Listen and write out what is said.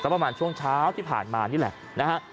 ประมาณช่วงเช้าที่ผ่านมานี่แหละนะฮะ